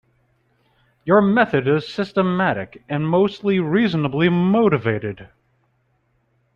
Your method is systematic and mostly reasonably motivated.